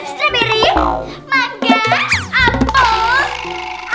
strawberry manga apel